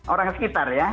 orang sekitar ya